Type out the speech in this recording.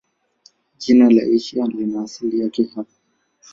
Jina la Asia lina asili yake hapa.